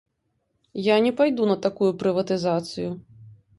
Я не пайду на такую прыватызацыю.